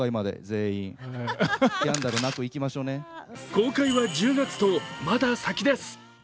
公開は１０月と、まだ先です。